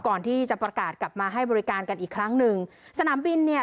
ก่อนที่จะประกาศกลับมาให้บริการกันอีกครั้งหนึ่งสนามบินเนี่ย